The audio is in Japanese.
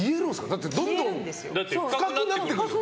だってどんどん深くなってくる。